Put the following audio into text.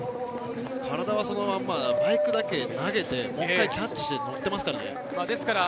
体はそのまま、バイクだけ投げて、１回キャッチして乗ってますからね。